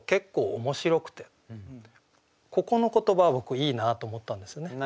ここの言葉僕いいなと思ったんですね。